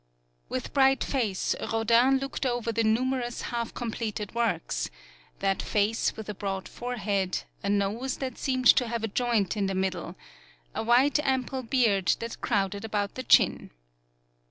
With bright face Rodin looked over the numerous half completed works; that face with a broad forehead, a nose that seemed to have a joint in the mid dle ; a white, ample beard that crowded about the chin.